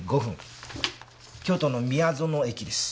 京都の宮園駅です。